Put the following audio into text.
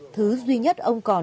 thứ duy nhất ông còn